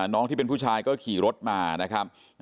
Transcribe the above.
น้องที่เป็นผู้ชายก็ขี่รถมานะครับ